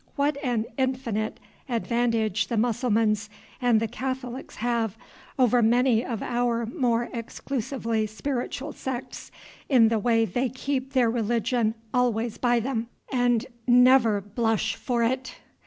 What an infinite advantage the Mussulmans and the Catholics have over many of our more exclusively spiritual sects in the way they keep their religion always by them and never blush for it!